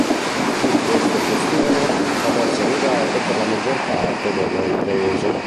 Fu questo costume ad essere usato per la maggior parte delle riprese.